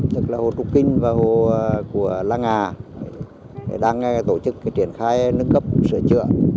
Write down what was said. tức là hồ trục kinh và hồ của lăng hà đang tổ chức triển khai nâng cấp sửa chữa